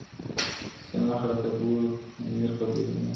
o سپین مخ راته ګوري خو تنویر خبري نه کوي,